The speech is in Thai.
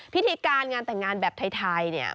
พิธีการงานแต่งงานแบบไทยเนี่ย